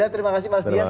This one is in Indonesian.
terima kasih mas dias